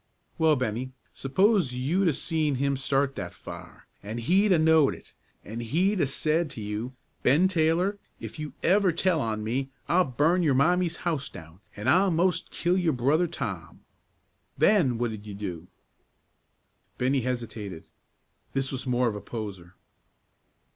"Well, Bennie, s'pose you'd 'a' seen him start that fire, an' he'd 'a' knowed it, an' he'd 'a' said to you, 'Ben Taylor, if you ever tell on me, I'll burn your Mommie's house down, an' I'll most kill your brother Tom!' then what'd you do?" Bennie hesitated. This was more of a poser.